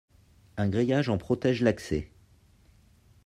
Un grillage en protège l'accès.